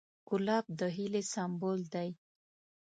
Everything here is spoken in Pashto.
ګلاب د هیلې سمبول دی.